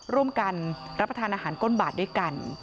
ร่วมกันรับประทานอาหารก้นบาทด้วยกัน